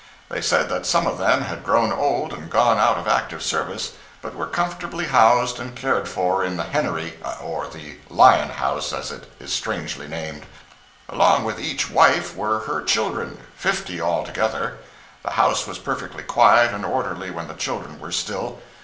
They said that some of them had grown old and gone out of active service, but were comfortably housed and cared for in the henery—or the Lion House, as it is strangely named. Along with each wife were her children—fifty altogether. The house was perfectly quiet and orderly, when the children were still.